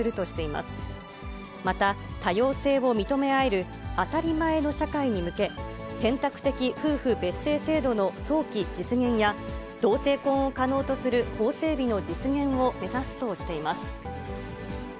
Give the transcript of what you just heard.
また、多様性を認め合える当たり前の社会に向け、選択的夫婦別姓制度の早期実現や、同性婚を可能とする法整備の実現を目指すとしています。